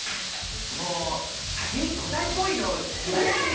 もう先に答えっぽいの言わないでよ。